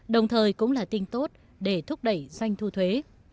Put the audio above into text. đồng thời cũng là tin tốt để thúc đẩy doanh thu thuế